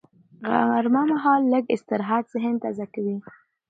غرمه مهال لږ استراحت ذهن تازه کوي